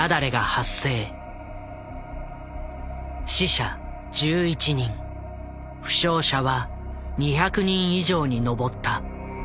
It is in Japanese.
死者１１人負傷者は２００人以上に上った。